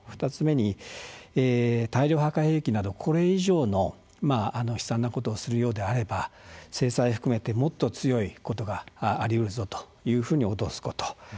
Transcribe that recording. ２つ目に大量破壊兵器などこれ以上の悲惨なことをするようであれば制裁を含めてもっと強いことがありうるぞと脅すこと。